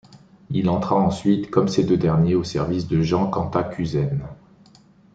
Il entra ensuite, comme ces deux derniers, au service de Jean Cantacuzène.